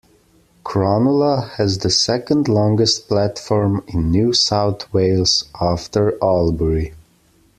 Cronulla has the second longest platform in New South Wales, after Albury.